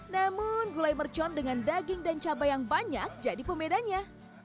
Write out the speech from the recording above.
namun gulai mercon dengan daging dan cabai yang banyak jadi pembedanya